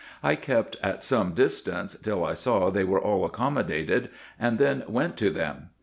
I kept at some distance, till I saw they were all accommodated, and then went to them.